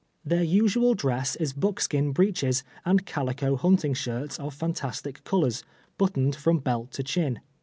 Their nsual dress is buckskin breeches and calico lumting shirts of fantastic colors, buttoned from belt to chin.